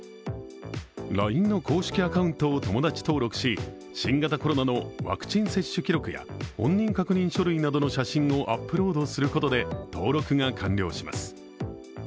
ＬＩＮＥの公式アカウントを友達登録し、新型コロナのワクチン接種記録や本人確認書類などの写真をアップロードすることで登録が完了します。